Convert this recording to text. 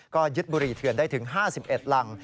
ก็ยึดบุรีเถื่อนได้ถึง๕๑รัง